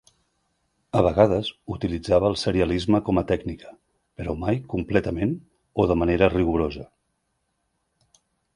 A vegades utilitzava el serialisme com a tècnica, però mai completament o de manera rigorosa.